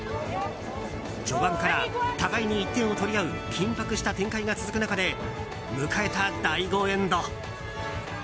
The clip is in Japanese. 序盤から互いに１点を取り合う緊迫した展開が続く中で迎えた第５エンド。